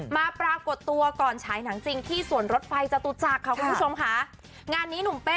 ปรากฏตัวก่อนฉายหนังจริงที่สวนรถไฟจตุจักรค่ะคุณผู้ชมค่ะงานนี้หนุ่มเป้